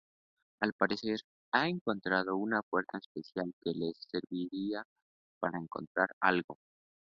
Al parecer, ha encontrado una puerta especial que les serviría para encontrar algo.